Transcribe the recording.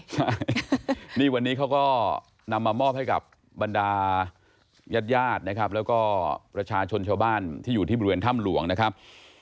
ใช่นี่วันนี้เขาก็นำมามอบให้กับบรรดายาดนะครับแล้วก็ประชาชนชาวบ้านที่อยู่ที่บริเวณถ้ำหลวงนะครับ